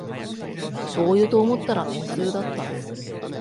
しょうゆと思ったらめんつゆだった